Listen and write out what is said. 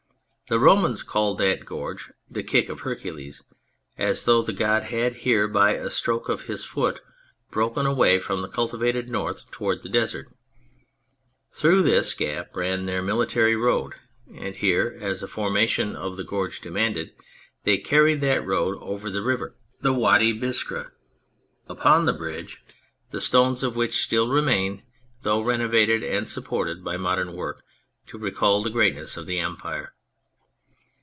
The Romans called that gorge " The Kick of Her cules," as though the god had here by a stroke of his foot broken away from the cultivated north to ward the Desert. Through this gap ran their military road, and here, as a formation of the gorge demanded, they carried that road over the river, the 162 On Communications Wady Biskra, upon the bridge the stones of which still remain, though renovated and supported by modern work, to recall the greatness of the empire.